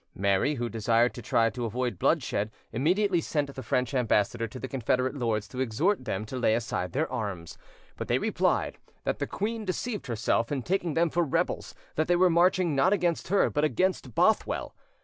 Mary, who desired to try to avoid bloodshed, immediately sent the French ambassador to the Confederate lords to exhort them to lay aside their arms; but they replied "that the queen deceived herself in taking them for rebels; that they were marching not against her, but against Bothwell."